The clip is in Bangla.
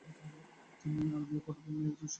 তিনি আলবীয় পটভূমির একজন স্বঘোষিত নাস্তিক।